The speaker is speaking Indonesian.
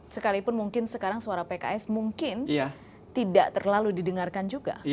sekalipun mungkin sekarang suara pks mungkin tidak terlalu didengarkan juga